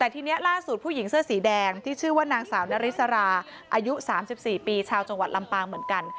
แต่ทีนี้ล่าสุดผู้หญิงเสื้อสีแดงที่ชื่อว่านางสาวนาริสราอายุ๓๔ปีชาวจังหวัดลำปางเหมือนกัน